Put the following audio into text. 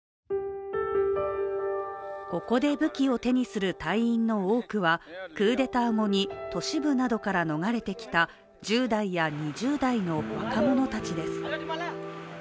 ここで武器を手にする隊員の多くはクーデター後に都市部などから逃れてきた１０代や２０代の若者たちです。